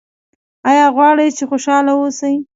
ایا غواړئ چې خوشحاله اوسئ؟